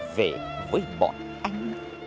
về với bọn anh